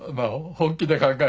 本気でええ。